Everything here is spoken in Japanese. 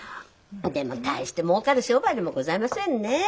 でも大してもうかる商売でもございませんね。